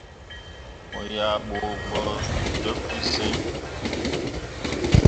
Mo yah ɓu gbǝ dǝɓ ge sǝŋ.